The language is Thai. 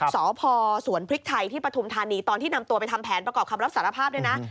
สพสวนพริกไทยที่ปฐุมธานีตอนที่นำตัวไปทำแผนประกอบคำรับสารภาพเนี่ยนะ